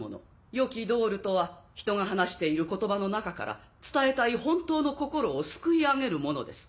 良きドールとは人が話している言葉の中から伝えたい本当の心をすくい上げるものです。